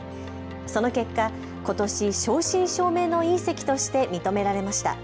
その結果、ことし正真正銘の隕石として認められました。